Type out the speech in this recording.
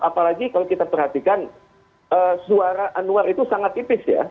apalagi kalau kita perhatikan suara anwar itu sangat tipis ya